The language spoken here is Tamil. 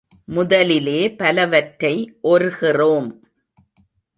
முதலிலே பவலவற்றை ஒர்கிறோம்.